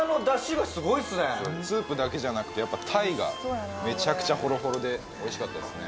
・スープだけじゃなくて鯛がめちゃくちゃホロホロでおいしかったですね